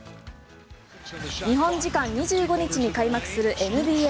日本時間２５日に開幕するＮＢＡ。